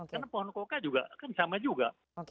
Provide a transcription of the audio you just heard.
karena pohon coca juga kan sama juga